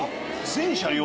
全車両？